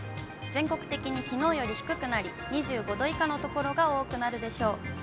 全国的にきのうより低くなり、２５度以下の所が多くなるでしょう。